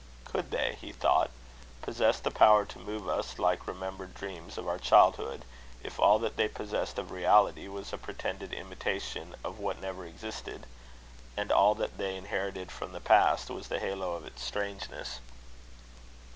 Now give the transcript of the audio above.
"Could they," he thought, "possess the power to move us like remembered dreams of our childhood, if all that they possessed of reality was a pretended imitation of what never existed, and all that they inherited from the past was the halo of its strangeness?"